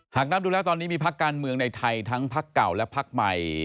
นับดูแล้วตอนนี้มีพักการเมืองในไทยทั้งพักเก่าและพักใหม่